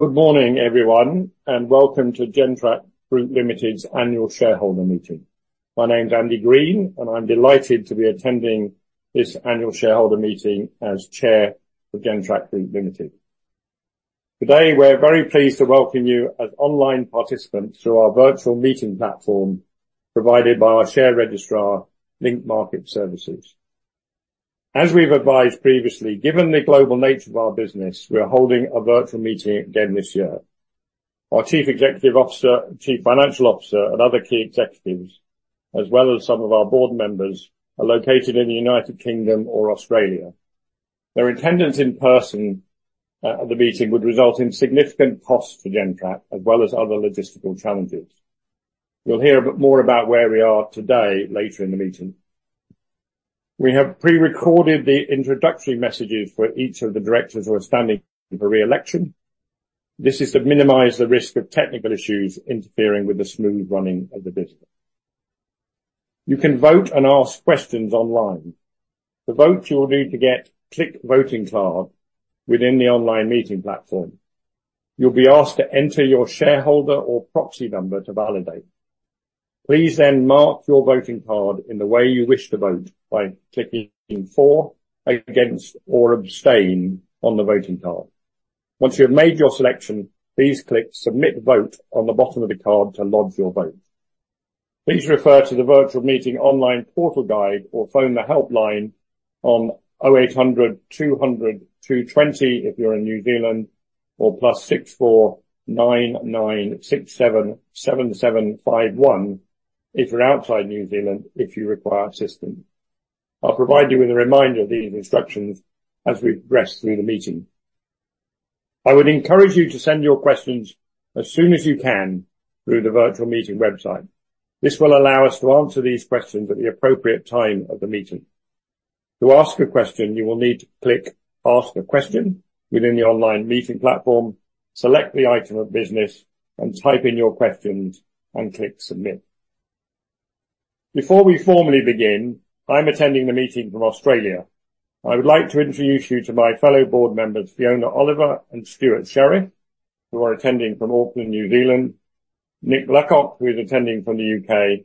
Good morning, everyone, and welcome to Gentrack Group Limited's Annual Shareholder Meeting. My name's Andy Green, and I'm delighted to be attending this annual shareholder meeting as chair of Gentrack Group Limited. Today we're very pleased to welcome you as online participants through our virtual meeting platform provided by our share registrar, Link Market Services. As we've advised previously, given the global nature of our business, we're holding a virtual meeting again this year. Our Chief Executive Officer, Chief Financial Officer, and other key executives, as well as some of our board members, are located in the United Kingdom or Australia. Their attendance in person at the meeting would result in significant costs for Gentrack, as well as other logistical challenges. You'll hear a bit more about where we are today later in the meeting. We have prerecorded the introductory messages for each of the directors who are standing for re-election. This is to minimize the risk of technical issues interfering with the smooth running of the business. You can vote and ask questions online. To vote, you'll need to get click voting card within the online meeting platform. You'll be asked to enter your shareholder or proxy number to validate. Please then mark your voting card in the way you wish to vote by clicking for, against, or abstain on the voting card. Once you have made your selection, please click Submit Vote on the bottom of the card to lodge your vote. Please refer to the Virtual Meeting Online Portal Guide or phone the helpline on 0800 200 220 if you're in New Zealand, or +64 9967 7751 if you're outside New Zealand if you require assistance. I'll provide you with a reminder of these instructions as we progress through the meeting. I would encourage you to send your questions as soon as you can through the virtual meeting website. This will allow us to answer these questions at the appropriate time of the meeting. To ask a question, you will need to click Ask a Question within the online meeting platform, select the item of business, and type in your questions, and click Submit. Before we formally begin, I'm attending the meeting from Australia. I would like to introduce you to my fellow board members, Fiona Oliver and Stewart Sherriff, who are attending from Auckland, New Zealand. Nick Luckock, who is attending from the U.K.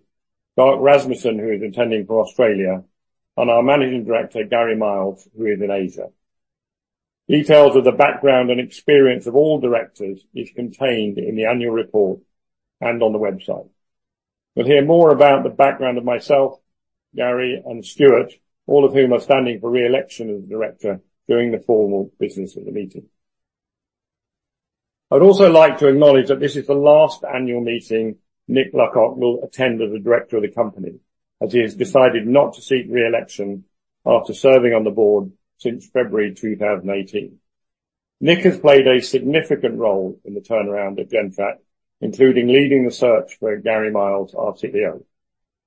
Darc Rasmussen, who is attending from Australia. And our Managing Director, Gary Miles, who is in Asia. Details of the background and experience of all directors are contained in the annual report and on the website. You'll hear more about the background of myself, Gary, and Stewart, all of whom are standing for re-election as director during the formal business of the meeting. I'd also like to acknowledge that this is the last annual meeting Nick Luckock will attend as a director of the company, as he has decided not to seek re-election after serving on the board since February 2018. Nick has played a significant role in the turnaround at Gentrack, including leading the search for Gary Miles our CEO.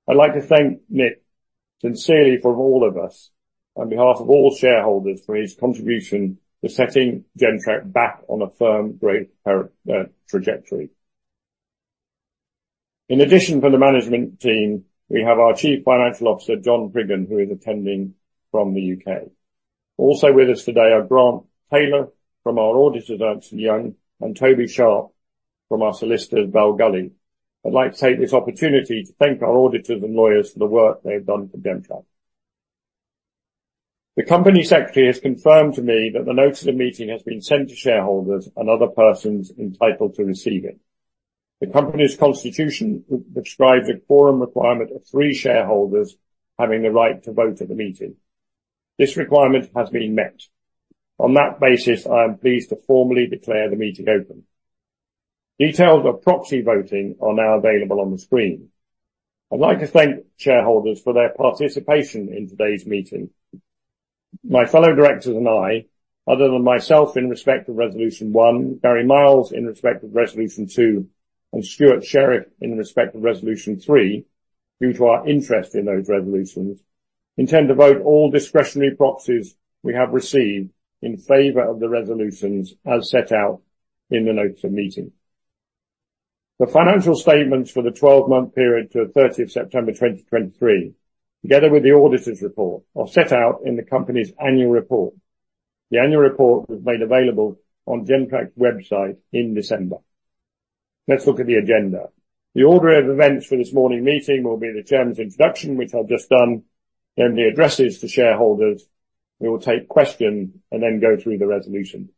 I'd like to thank Nick sincerely for all of us, on behalf of all shareholders, for his contribution to setting Gentrack back on a firm, great trajectory. In addition, from the management team, we have our Chief Financial Officer, John Priggen, who is attending from the UK. Also with us today are Grant Taylor from our auditors, Ernst & Young, and Toby Sharpe from our solicitors, Bell Gully. I'd like to take this opportunity to thank our auditors and lawyers for the work they have done for Gentrack. The company secretary has confirmed to me that the notice of meeting has been sent to shareholders and other persons entitled to receive it. The company's constitution prescribes a quorum requirement of three shareholders having the right to vote at the meeting. This requirement has been met. On that basis, I am pleased to formally declare the meeting open. Details of proxy voting are now available on the screen. I'd like to thank shareholders for their participation in today's meeting. My fellow directors and I, other than myself in respect of resolution one, Gary Miles in respect of resolution two, and Stewart Sherriff in respect of resolution three, due to our interest in those resolutions, intend to vote all discretionary proxies we have received in favor of the resolutions as set out in the notice of meeting. The financial statements for the 12-month period to 30 September 2023, together with the auditor's report, are set out in the company's annual report. The annual report was made available on Gentrack's website in December. Let's look at the agenda. The order of events for this morning meeting will be the chairman's introduction, which I've just done, then the addresses to shareholders. We will take questions and then go through the resolutions.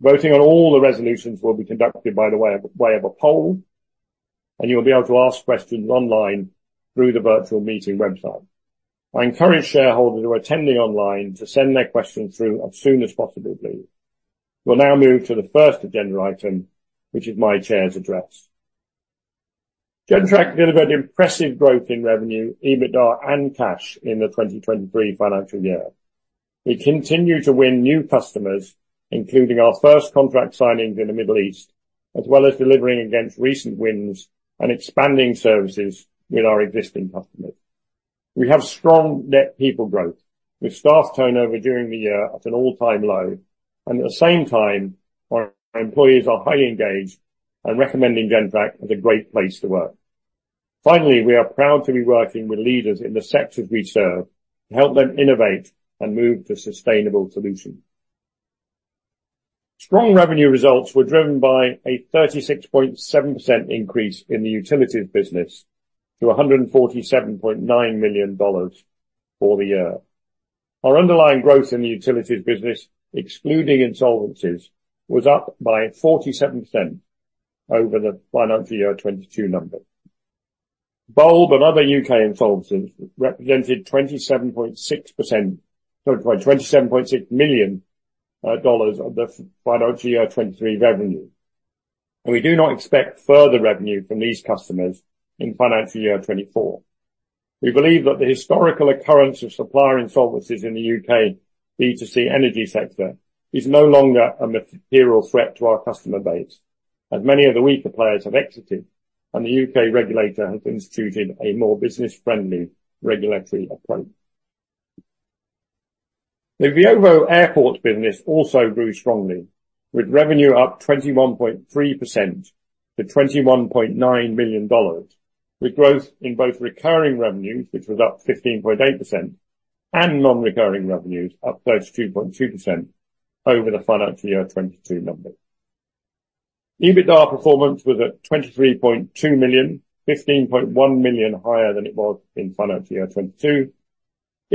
Voting on all the resolutions will be conducted by way of a poll, and you'll be able to ask questions online through the virtual meeting website. I encourage shareholders who are attending online to send their questions through as soon as possible, please. We'll now move to the first agenda item, which is my chair's address. Gentrack delivered impressive growth in revenue, EBITDA, and cash in the 2023 financial year. We continue to win new customers, including our first contract signings in the Middle East, as well as delivering against recent wins and expanding services with our existing customers. We have strong net people growth, with staff turnover during the year at an all-time low, and at the same time, our employees are highly engaged and recommending Gentrack as a great place to work. Finally, we are proud to be working with leaders in the sectors we serve to help them innovate and move to sustainable solutions. Strong revenue results were driven by a 36.7% increase in the utilities business to NZD 147.9 million for the year. Our underlying growth in the utilities business, excluding insolvencies, was up by 47% over the financial year 2022 number. Bulb and other U.K. insolvencies represented 27.6 million dollars of the financial year 2023 revenue, and we do not expect further revenue from these customers in financial year 2024. We believe that the historical occurrence of supplier insolvencies in the U.K. B2C energy sector is no longer a material threat to our customer base, as many of the weaker players have exited and the U.K. regulator has instituted a more business-friendly regulatory approach. The Veovo airport business also grew strongly, with revenue up 21.3% to 21.9 million dollars, with growth in both recurring revenues, which was up 15.8%, and non-recurring revenues up 32.2% over the financial year 2022 number. EBITDA performance was at 23.2 million, 15.1 million higher than it was in financial year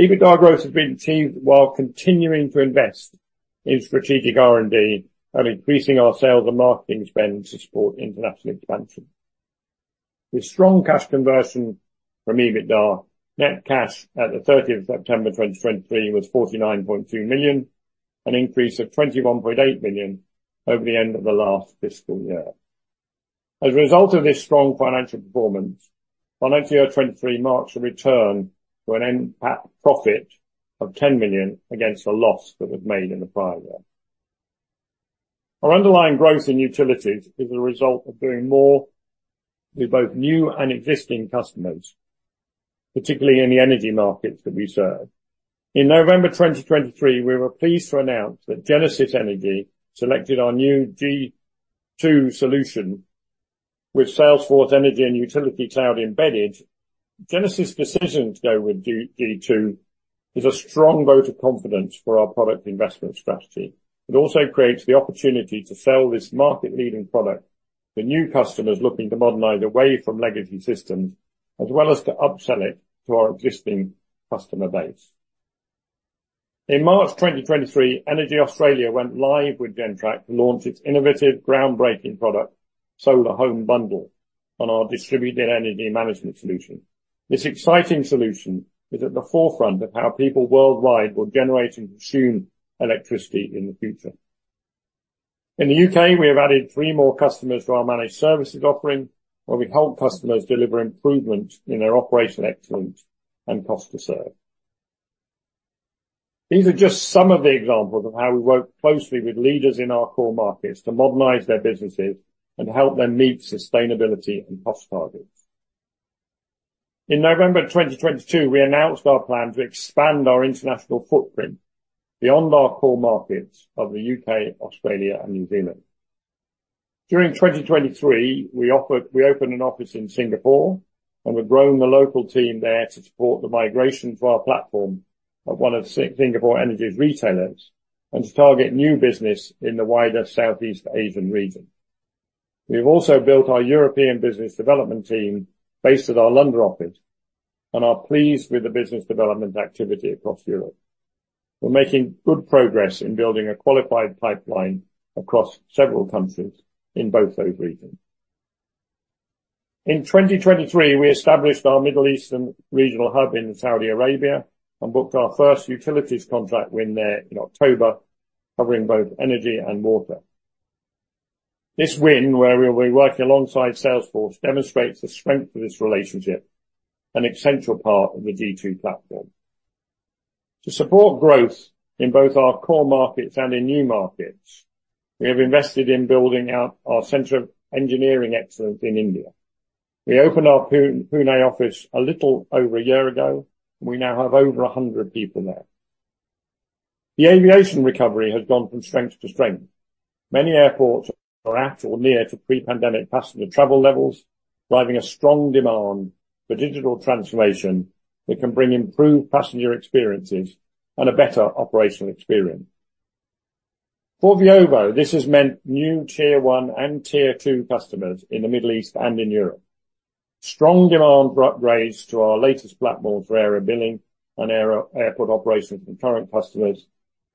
2022. EBITDA growth has been achieved while continuing to invest in strategic R&D and increasing our sales and marketing spend to support international expansion. With strong cash conversion from EBITDA, net cash at the 30th of September 2023 was 49.2 million, an increase of 21.8 million over the end of the last fiscal year. As a result of this strong financial performance, financial year 2023 marks a return to a net profit of 10 million against the loss that was made in the prior year. Our underlying growth in utilities is a result of doing more with both new and existing customers, particularly in the energy markets that we serve. In November 2023, we were pleased to announce that Genesis Energy selected our new G2 solution with Salesforce Energy and Utilities Cloud embedded. Genesis' decision to go with G2 is a strong vote of confidence for our product investment strategy. It also creates the opportunity to sell this market-leading product to new customers looking to modernize away from legacy systems, as well as to upsell it to our existing customer base. In March 2023, EnergyAustralia went live with Gentrack to launch its innovative, groundbreaking product, Solar Home Bundle, on our distributed energy management solution. This exciting solution is at the forefront of how people worldwide will generate and consume electricity in the future. In the UK, we have added 3 more customers to our managed services offering, where we help customers deliver improvements in their operational excellence and cost to serve. These are just some of the examples of how we work closely with leaders in our core markets to modernize their businesses and help them meet sustainability and cost targets. In November 2022, we announced our plan to expand our international footprint beyond our core markets of the U.K., Australia, and New Zealand. During 2023, we opened an office in Singapore and we've grown the local team there to support the migration to our platform at one of Singapore's energy retailers and to target new business in the wider Southeast Asian region. We have also built our European business development team based at our London office, and are pleased with the business development activity across Europe. We're making good progress in building a qualified pipeline across several countries in both those regions. In 2023, we established our Middle Eastern regional hub in Saudi Arabia and booked our first utilities contract win there in October, covering both energy and water. This win, where we'll be working alongside Salesforce, demonstrates the strength of this relationship, an essential part of the G2 platform. To support growth in both our core markets and in new markets, we have invested in building out our center of engineering excellence in India. We opened our Pune office a little over a year ago, and we now have over 100 people there. The aviation recovery has gone from strength to strength. Many airports are at or near to pre-pandemic passenger travel levels, driving a strong demand for digital transformation that can bring improved passenger experiences and a better operational experience. For Veovo, this has meant new tier one and tier two customers in the Middle East and in Europe. Strong demand remains for our latest platforms for air billing and airport operations for current customers,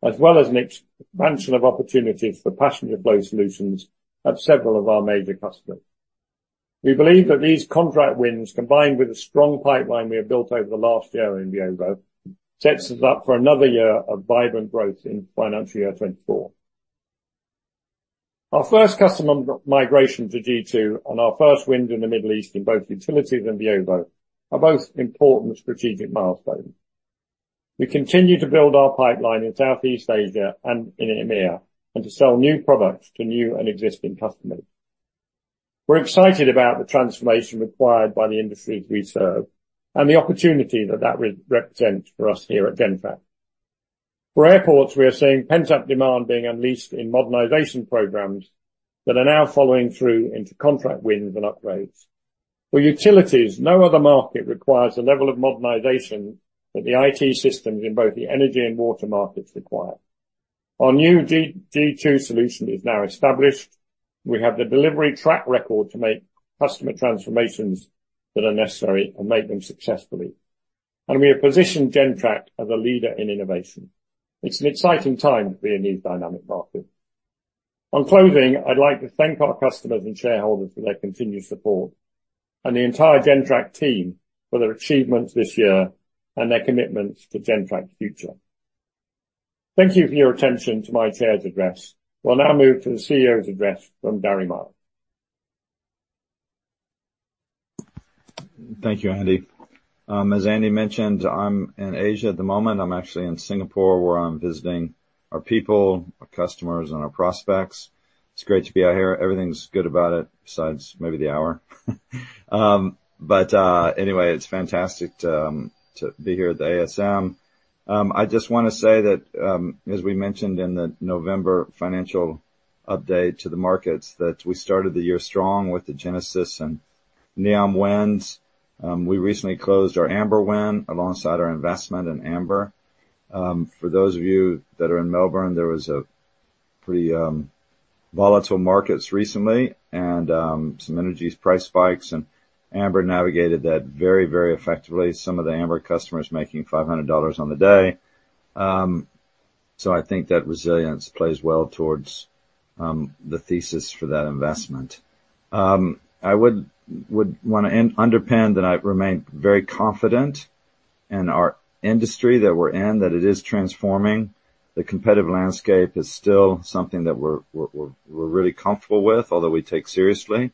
as well as an expansion of opportunities for passenger flow solutions at several of our major customers. We believe that these contract wins, combined with the strong pipeline we have built over the last year in Veovo, sets us up for another year of vibrant growth in financial year 2024. Our first customer migration to G2 and our first win in the Middle East in both utilities and Veovo are both important strategic milestones. We continue to build our pipeline in Southeast Asia and in EMEA and to sell new products to new and existing customers. We're excited about the transformation required by the industries we serve and the opportunity that that represents for us here at Gentrack. For airports, we are seeing pent-up demand being unleashed in modernization programs that are now following through into contract wins and upgrades. For utilities, no other market requires the level of modernization that the IT systems in both the energy and water markets require. Our new G2 solution is now established. We have the delivery track record to make customer transformations that are necessary and make them successfully. We have positioned Gentrack as a leader in innovation. It's an exciting time to be in these dynamic markets. On closing, I'd like to thank our customers and shareholders for their continued support and the entire Gentrack team for their achievements this year and their commitments to Gentrack's future. Thank you for your attention to my Chair's address. We'll now move to the CEO's address from Gary Miles. Thank you, Andy. As Andy mentioned, I'm in Asia at the moment. I'm actually in Singapore, where I'm visiting our people, our customers, and our prospects. It's great to be out here. Everything's good about it besides maybe the hour. But anyway, it's fantastic to be here at the ASM. I just want to say that, as we mentioned in the November financial update to the markets, that we started the year strong with the Genesis and NEOM wins. We recently closed our Amber win alongside our investment in Amber. For those of you that are in Melbourne, there were pretty volatile markets recently and some energy price spikes, and Amber navigated that very, very effectively, some of the Amber customers making 500 dollars on the day. So I think that resilience plays well towards the thesis for that investment. I would want to underpin that I remain very confident in our industry that we're in, that it is transforming. The competitive landscape is still something that we're really comfortable with, although we take seriously.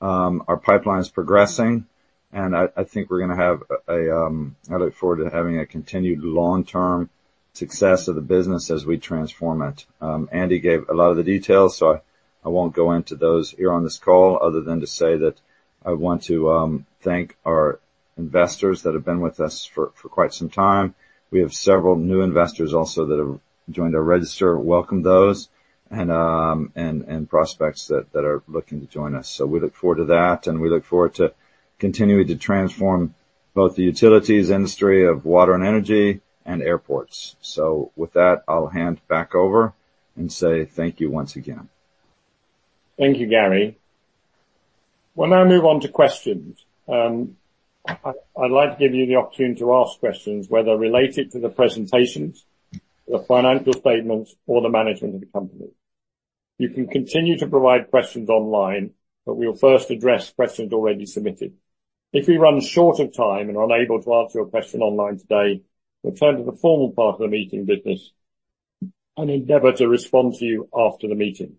Our pipeline's progressing, and I think we're going to have. I look forward to having a continued long-term success of the business as we transform it. Andy gave a lot of the details, so I won't go into those here on this call other than to say that I want to thank our investors that have been with us for quite some time. We have several new investors also that have joined our register. Welcome those and prospects that are looking to join us. So we look forward to that, and we look forward to continuing to transform both the utilities industry of water and energy and airports. With that, I'll hand back over and say thank you once again. Thank you, Gary. We'll now move on to questions. I'd like to give you the opportunity to ask questions whether related to the presentations, the financial statements, or the management of the company. You can continue to provide questions online, but we'll first address questions already submitted. If we run short of time and are unable to answer your question online today, we'll turn to the formal part of the meeting business and endeavor to respond to you after the meeting.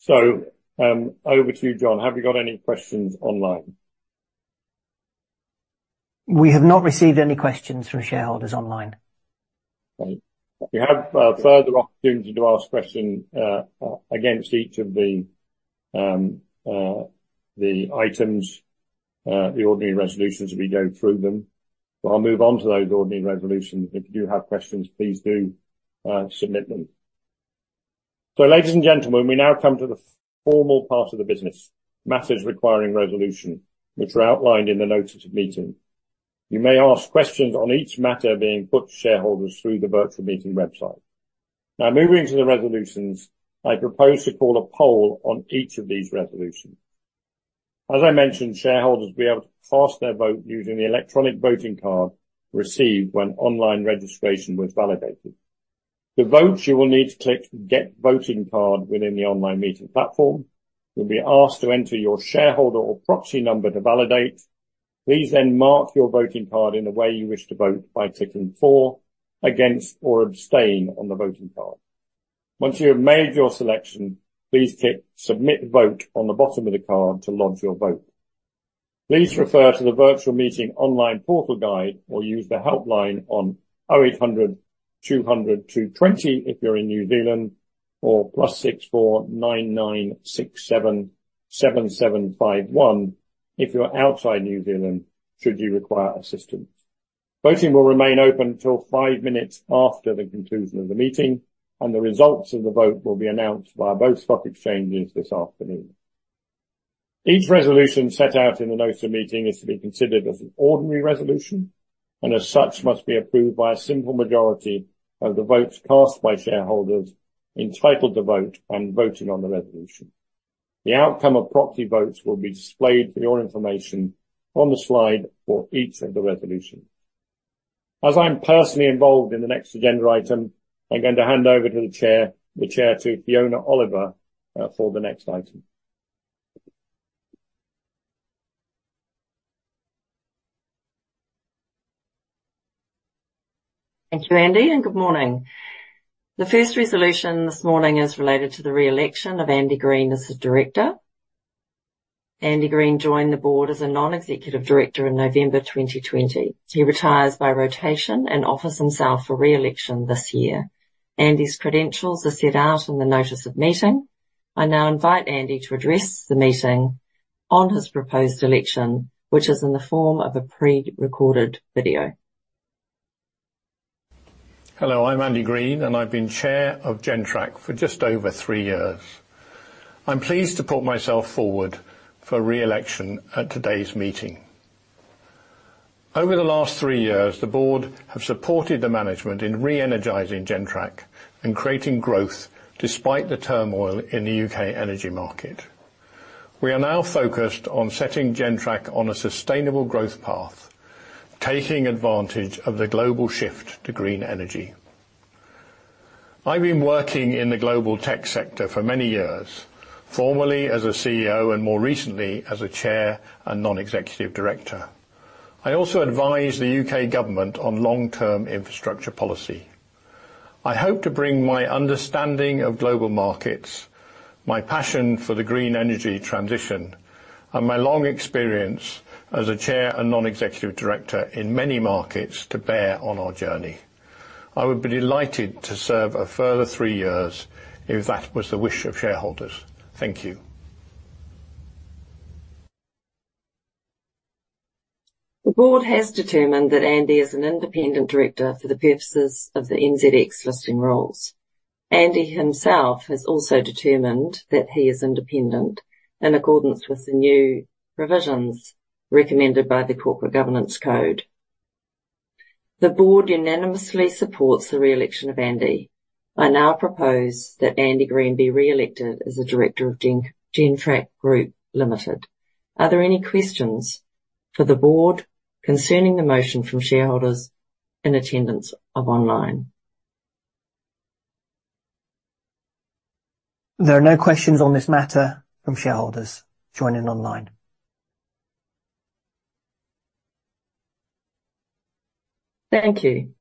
So over to you, John. Have we got any questions online? We have not received any questions from shareholders online. Okay. We have further opportunity to ask questions against each of the items, the ordinary resolutions, as we go through them. So I'll move on to those ordinary resolutions. If you do have questions, please do submit them. So ladies and gentlemen, we now come to the formal part of the business, matters requiring resolution, which are outlined in the notice of meeting. You may ask questions on each matter being put to shareholders through the virtual meeting website. Now, moving to the resolutions, I propose to call a poll on each of these resolutions. As I mentioned, shareholders will be able to cast their vote using the electronic voting card received when online registration was validated. The votes, you will need to click Get Voting Card within the online meeting platform. You'll be asked to enter your shareholder or proxy number to validate. Please then mark your voting card in the way you wish to vote by ticking For, Against, or Abstain on the voting card. Once you have made your selection, please tick Submit Vote on the bottom of the card to log your vote. Please refer to the virtual meeting online portal guide or use the helpline on 0800 200 220 if you're in New Zealand or +64 9967 7751 if you're outside New Zealand should you require assistance. Voting will remain open until five minutes after the conclusion of the meeting, and the results of the vote will be announced by both stock exchanges this afternoon. Each resolution set out in the notice of meeting is to be considered as an ordinary resolution, and as such, must be approved by a simple majority of the votes cast by shareholders entitled to vote and voting on the resolution. The outcome of proxy votes will be displayed for your information on the slide for each of the resolutions. As I'm personally involved in the next agenda item, I'm going to hand over to the chair, the chair to Fiona Oliver, for the next item. Thank you, Andy, and good morning. The first resolution this morning is related to the re-election of Andy Green as the director. Andy Green joined the board as a non-executive director in November 2020. He retires by rotation and offers himself for re-election this year. Andy's credentials are set out in the notice of meeting. I now invite Andy to address the meeting on his proposed election, which is in the form of a pre-recorded video. Hello. I'm Andy Green, and I've been chair of Gentrack for just over three years. I'm pleased to put myself forward for re-election at today's meeting. Over the last three years, the board have supported the management in re-energizing Gentrack and creating growth despite the turmoil in the U.K. energy market. We are now focused on setting Gentrack on a sustainable growth path, taking advantage of the global shift to green energy. I've been working in the global tech sector for many years, formerly as a CEO and more recently as a chair and non-executive director. I also advise the U.K. government on long-term infrastructure policy. I hope to bring my understanding of global markets, my passion for the green energy transition, and my long experience as a chair and non-executive director in many markets to bear on our journey. I would be delighted to serve a further three years if that was the wish of shareholders. Thank you. The board has determined that Andy is an independent director for the purposes of the NZX Listing Rules. Andy himself has also determined that he is independent in accordance with the new provisions recommended by the Corporate Governance Code. The board unanimously supports the re-election of Andy. I now propose that Andy Green be re-elected as a director of Gentrack Group Limited. Are there any questions for the board concerning the motion from shareholders in attendance online? There are no questions on this matter from shareholders joining online. Thank you.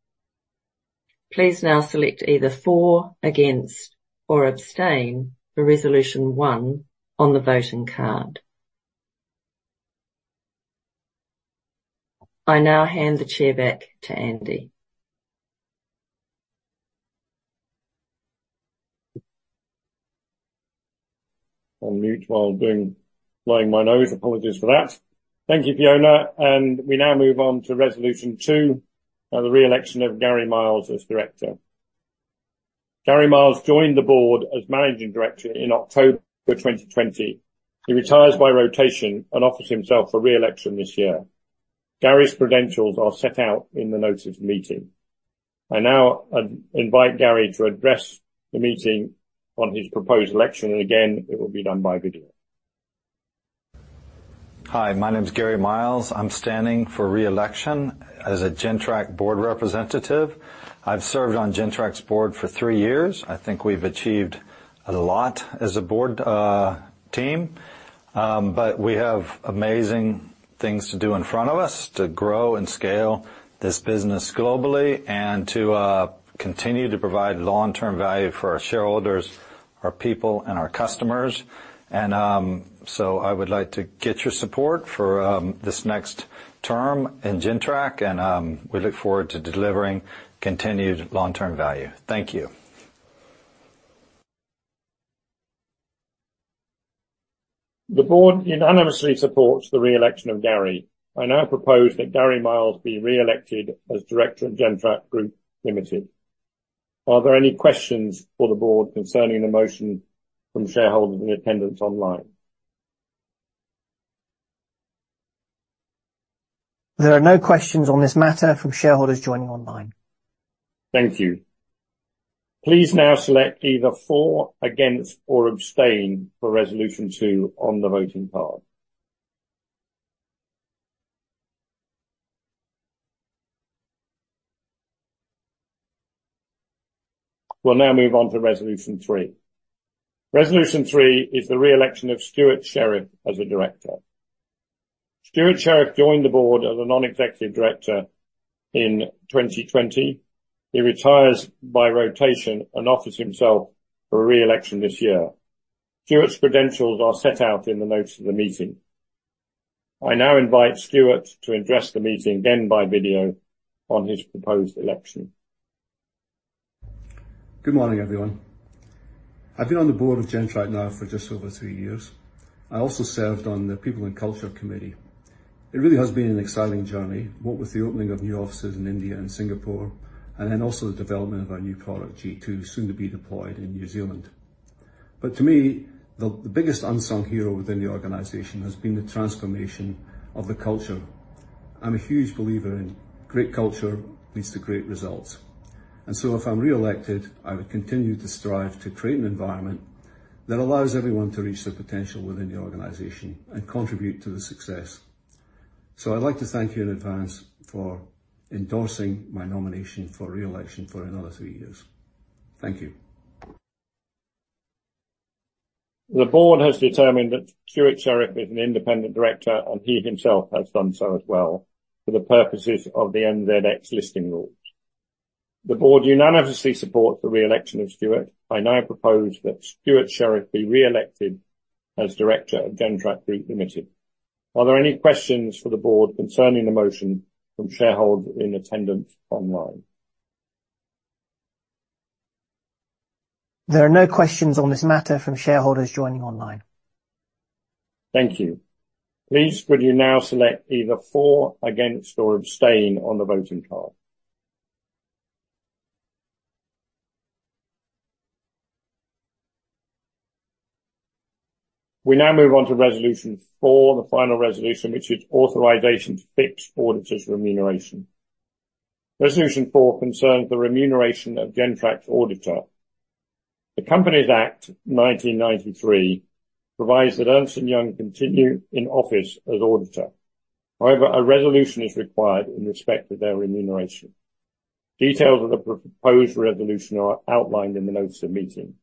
Please now select either For, Against, or Abstain for resolution one on the voting card. I now hand the chair back to Andy. I'll mute while blowing my nose. Apologies for that. Thank you, Fiona. We now move on to resolution two, the re-election of Gary Miles as Director. Gary Miles joined the board as Managing Director in October 2020. He retires by rotation and offers himself for re-election this year. Gary's credentials are set out in the notice of meeting. I now invite Gary to address the meeting on his proposed election, and again, it will be done by video. Hi. My name's Gary Miles. I'm standing for re-election as a Gentrack board representative. I've served on Gentrack's board for three years. I think we've achieved a lot as a board team, but we have amazing things to do in front of us to grow and scale this business globally and to continue to provide long-term value for our shareholders, our people, and our customers. And so I would like to get your support for this next term in Gentrack, and we look forward to delivering continued long-term value. Thank you. The board unanimously supports the re-election of Gary. I now propose that Gary Miles be re-elected as director of Gentrack Group Limited. Are there any questions for the board concerning the motion from shareholders in attendance online? There are no questions on this matter from shareholders joining online. Thank you. Please now select either For, Against, or Abstain for resolution two on the voting card. We'll now move on to resolution three. Resolution three is the re-election of Stewart Sherriff as a director. Stewart Sherriff joined the board as a non-executive director in 2020. He retires by rotation and offers himself for re-election this year. Stewart's credentials are set out in the notice of the meeting. I now invite Stewart to address the meeting again by video on his proposed election. Good morning, everyone. I've been on the board of Gentrack now for just over three years. I also served on the People and Culture Committee. It really has been an exciting journey, both with the opening of new offices in India and Singapore and then also the development of our new product, G2, soon to be deployed in New Zealand. But to me, the biggest unsung hero within the organization has been the transformation of the culture. I'm a huge believer in great culture leads to great results. And so if I'm re-elected, I would continue to strive to create an environment that allows everyone to reach their potential within the organization and contribute to the success. So I'd like to thank you in advance for endorsing my nomination for re-election for another three years. Thank you. The board has determined that Stewart Sherriff is an independent director, and he himself has done so as well for the purposes of the NZX listing rules. The board unanimously supports the re-election of Stewart. I now propose that Stewart Sherriff be re-elected as director of Gentrack Group Limited. Are there any questions for the board concerning the motion from shareholders in attendance online? There are no questions on this matter from shareholders joining online. Thank you. Please would you now select either For, Against, or Abstain on the voting card? We now move on to resolution four, the final resolution, which is authorization to fix auditors' remuneration. Resolution four concerns the remuneration of Gentrack's auditor. The Companies Act 1993 provides that Ernst & Young continue in office as auditor. However, a resolution is required in respect of their remuneration. Details of the proposed resolution are outlined in the notice of meeting.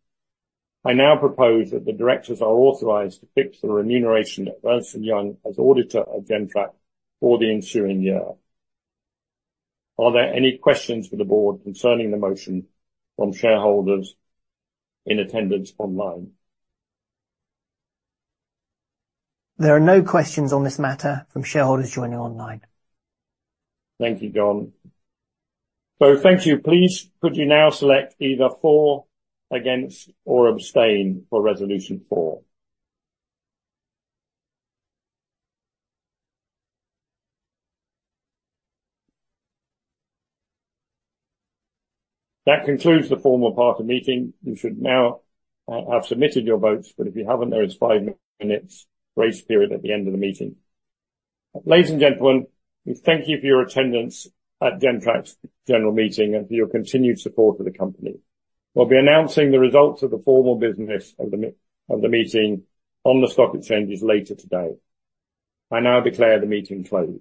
I now propose that the directors are authorized to fix the remuneration of Ernst & Young as auditor of Gentrack for the ensuing year. Are there any questions for the board concerning the motion from shareholders in attendance online? There are no questions on this matter from shareholders joining online. Thank you, John. So thank you. Please could you now select either For, Against, or Abstain for resolution four? That concludes the formal part of the meeting. You should now have submitted your votes, but if you haven't, there is five minutes' grace period at the end of the meeting. Ladies and gentlemen, we thank you for your attendance at Gentrack's general meeting and for your continued support of the company. We'll be announcing the results of the formal business of the meeting on the stock exchanges later today. I now declare the meeting closed.